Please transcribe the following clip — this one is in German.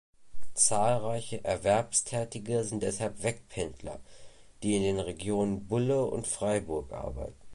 Zahlreiche Erwerbstätige sind deshalb Wegpendler, die in den Regionen Bulle und Freiburg arbeiten.